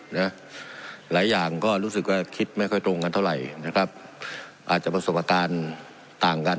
หลายอย่างก็รู้สึกว่าคิดไม่ค่อยตรงกันเท่าไหร่นะครับอาจจะประสบการณ์ต่างกัน